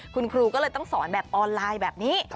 คุณครูก็เลยต้องสอนแบบออนไลน์แบบนี้